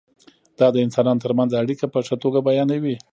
دا د انسانانو ترمنځ اړیکه په ښه توګه بیانوي.